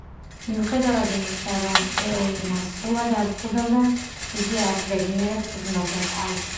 მიუხედავად იმისა, რომ ეოლი მას სრულად არ ზღუდავდა, იგი არც ბედნიერად გრძნობდა თავს.